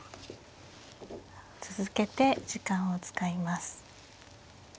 続けて時間を使います。